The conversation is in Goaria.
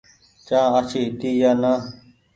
چآن آڇي هيتي يا نآ۔